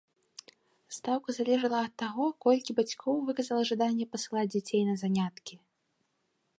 Стаўка залежала ад таго, колькі бацькоў выказала жаданне пасылаць дзяцей на заняткі.